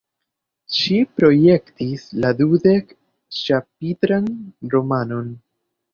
Ŝi projektis la dudek-ĉapitran romanon.